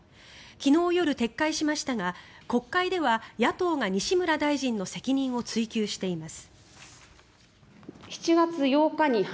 昨日夜、撤回しましたが国会では野党が西村大臣の責任を追及しています。